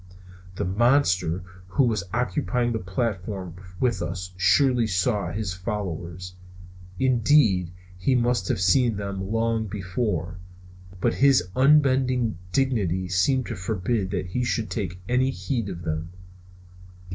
The monster who was occupying the platform with us surely saw his followers; indeed, he must have seen them long before; but his unbending dignity seemed to forbid that he should take any heed of them.